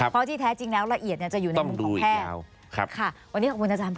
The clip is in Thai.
เพราะที่แท้จริงแล้วระเอียดจะอยู่ในมุมของแพทย์